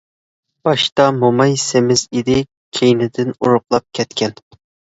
باشتا موماي سېمىز ئىدى، كەينىدىن ئورۇقلاپ كەتكەن.